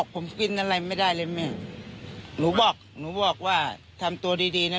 ผมกินอะไรไม่ได้เลยแม่หนูบอกหนูบอกว่าทำตัวดีดีนะ